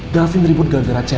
dalfin ribut gak gara gara cewek